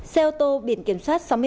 xe ô tô biển kiểm soát